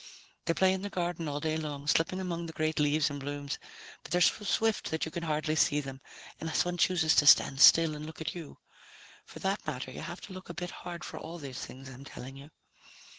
They play in the garden, all day long, slipping among the great leaves and blooms, but they're so swift that you can hardly see them, unless one chooses to stand still and look at you. For that matter, you have to look a bit hard for all these things I'm telling you."